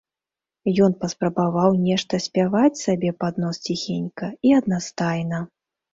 Ён паспрабаваў нешта спяваць сабе пад нос ціхенька і аднастайна.